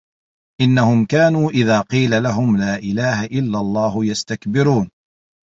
إِنَّهُم كانوا إِذا قيلَ لَهُم لا إِلهَ إِلَّا اللَّهُ يَستَكبِرونَ